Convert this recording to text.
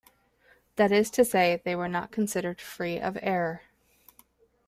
That is to say they were not considered free of error.